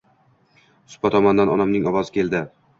Supa tomondan onamning ovozi keldi.